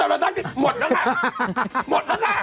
หมดแล้วค่ะหมดแล้วค่ะ